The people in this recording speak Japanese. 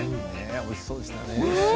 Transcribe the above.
おいしそうでしたね。